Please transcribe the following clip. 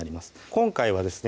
今回はですね